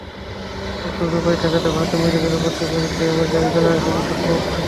অসদুপায় ঠেকাতে ভারতে মেডিকেলের ভর্তি পরীক্ষায় এবার জারি করা হয়েছে পোশাক কোড।